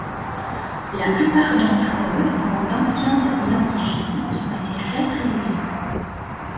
La plupart d'entre eux sont d'anciens identifiants qui ont été réattribués.